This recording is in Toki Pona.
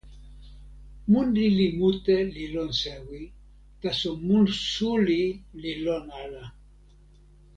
mun lili mute li lon sewi, taso mun suli li lon ala.